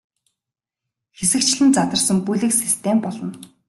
Хэсэгчлэн задарсан бүлэг систем болно.